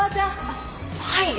あっはい。